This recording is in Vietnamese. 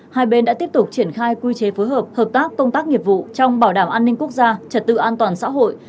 hai bên đã tiếp tục triển khai quy chế phối hợp hợp tác công tác nghiệp vụ trong bảo đảm an ninh quốc gia trật tự an toàn xã hội